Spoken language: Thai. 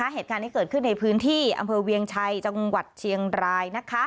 เหตุการณ์ที่เกิดขึ้นในพื้นที่อำเภอเวียงชัยจังหวัดเชียงราย